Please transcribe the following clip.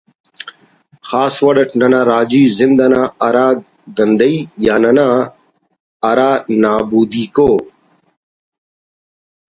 خاص وڑ اٹ ننا راجی زند انا ہرا گندہی یا ننا ہرا نابودیک ءُ